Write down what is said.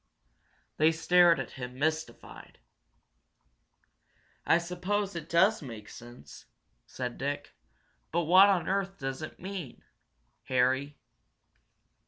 They stared at him, mystified. "I suppose it does make sense," said Dick. "But what on earth does it mean, Harry?